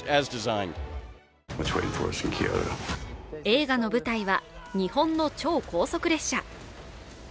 映画の舞台は日本の超高速列車。